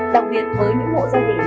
đặc biệt với những mộ gia đình